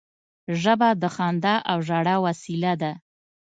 ژبه د خندا او ژړا وسیله ده